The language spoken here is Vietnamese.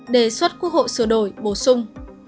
đề xuất quốc hội sửa đổi bổ sung